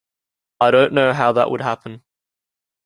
I don't know how that would happen.